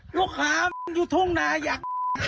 ลูกค้าอยู่ทุ่งหน่าอยาก